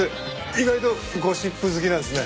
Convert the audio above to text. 意外とゴシップ好きなんですね。